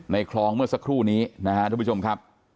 คลองเมื่อสักครู่นี้นะครับทุกผู้ชมครับ